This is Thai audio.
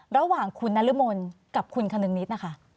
ระหว่างคุณนรมนกับคุณคนึงนิดนะคะ